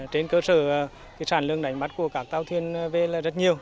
trên cơ sở sản lượng đánh bắt của các tàu thuyền về rất nhiều